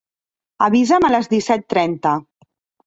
Avisa'm a les disset trenta.